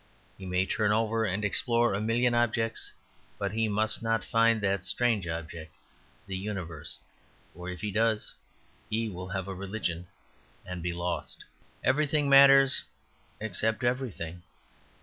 He may turn over and explore a million objects, but he must not find that strange object, the universe; for if he does he will have a religion, and be lost. Everything matters except everything.